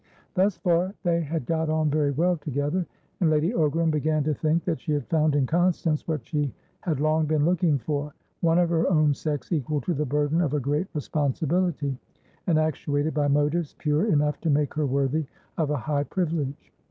Thus far they had got on very well together, and Lady Ogram began to think that she had found in Constance what she had long been looking forone of her own sex equal to the burden of a great responsibility and actuated by motives pure enough to make her worthy of a high privilege.